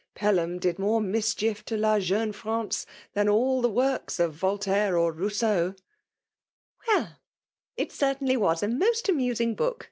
Pclham did more mischief to td jeune France, than all the works of Voltaire or Bousseau/' *' Well it certainly was a most amusing boolc